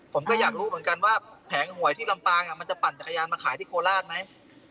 ผมก็อยากรู้เหมือนกันว่าแผงหวยที่ลำปางมันจะปั่นจักรยานมาขายที่โคราชไหม